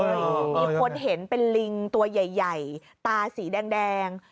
มีคนเห็นเป็นลิงตัวใหญ่ตาสีแดง